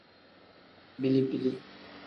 Bili-bili.